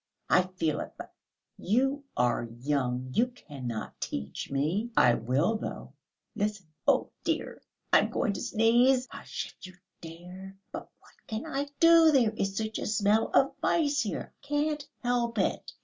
I feel it ... but you are young, you cannot teach me." "I will, though.... Listen." "Oh, dear, I am going to sneeze!..." "Hush, if you dare." "But what can I do, there is such a smell of mice here; I can't help it.